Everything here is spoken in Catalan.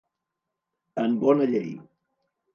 En bona llei.